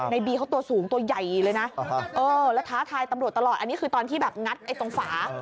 บีเขาตัวสูงตัวใหญ่เลยนะแล้วท้าทายตำรวจตลอดอันนี้คือตอนที่แบบงัดไอ้ตรงฝา